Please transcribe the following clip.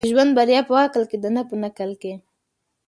د ژوند بريا په عقل کي ده، نه په نقل کي.